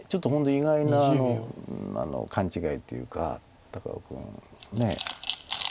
意外な勘違いというか高尾君ねえ。